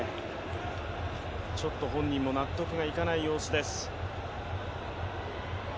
ちょっと本人も納得がいかない様子です。